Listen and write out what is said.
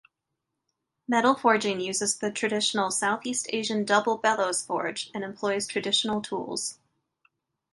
Metal forging uses the traditional Southeast Asian double-bellows forge, and employs traditional tools.